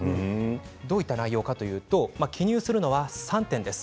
どういった内容かといいますと記入するのは３点です。